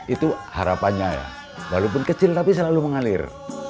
itu harapannya ya walaupun kecil tapi selalu mengalir